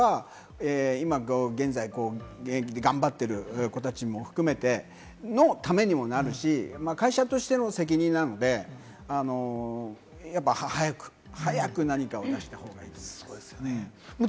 なので本当に早くするということが、今現在、現役で頑張っている子たちも含めてためにもなるし、会社としての責任なので、早く何かを出した方がいいと思います。